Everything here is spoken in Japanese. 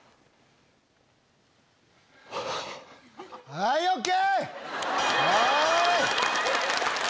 はいＯＫ！